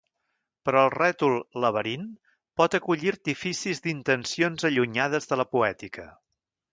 Però el rètol «laberint» pot acollir artificis d'intencions allunyades de la poètica.